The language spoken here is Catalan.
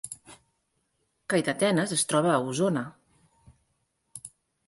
Calldetenes es troba a Osona